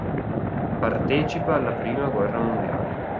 Partecipa alla Prima guerra mondiale.